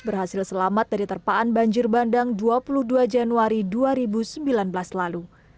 berhasil selamat dari terpaan banjir bandang dua puluh dua januari dua ribu sembilan belas lalu